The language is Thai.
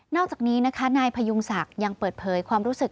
อกจากนี้นะคะนายพยุงศักดิ์ยังเปิดเผยความรู้สึก